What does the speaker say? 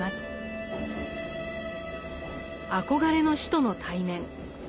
憧れの師との対面。